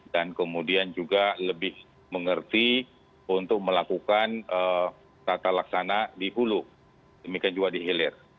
dan kemudian juga lebih mengerti untuk melakukan tata laksana di hulu demikian juga di hilir